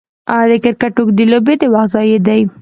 د کرکټ اوږدې لوبې د وخت ضايع دي.